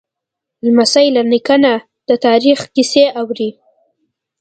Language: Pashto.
لمسی له نیکه نه د تاریخ کیسې اوري.